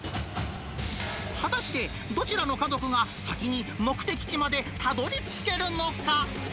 果たしてどちらの家族が先に目的地までたどりつけるのか。